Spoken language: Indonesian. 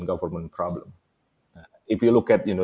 jika anda melihat media